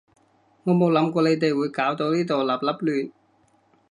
我冇諗過你哋會搞到呢度笠笠亂